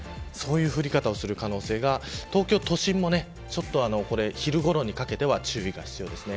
そういう降り方をする可能性が東京都心も昼ごろにかけては注意が必要です。